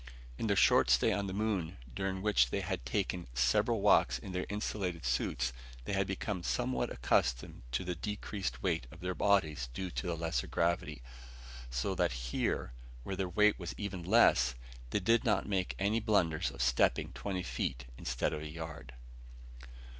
In their short stay on the moon, during which they had taken several walks in their insulated suits, they had become somewhat accustomed to the decreased weight of their bodies due to the lesser gravity, so that here, where their weight was even less, they did not make any blunders of stepping twenty feet instead of a yard.